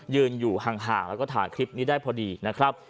ยืนอยู่ห่างแล้วก็ถ่ายคลิปนี้ได้พอดีนะครับ